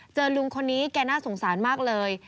ลุงคนนี้แกน่าสงสารมากเลย